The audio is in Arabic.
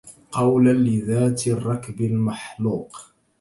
قولا لذات الركب المحلوق